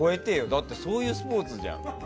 だって、そういうスポーツじゃん。